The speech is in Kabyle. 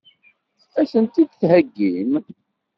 Ad sen-t-id-theggim?